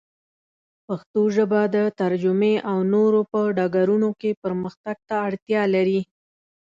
پښتو ژبه د ترجمې او نورو په ډګرونو کې پرمختګ ته اړتیا لري.